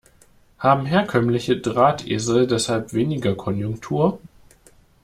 Haben herkömmliche Drahtesel deshalb weniger Konjunktur?